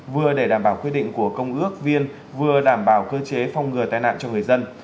vừa để đảm bảo quy định của công ước viên vừa đảm bảo cơ chế phong ngừa tai nạn cho người dân